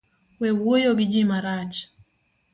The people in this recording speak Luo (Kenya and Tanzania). We wuoyo gi ji marach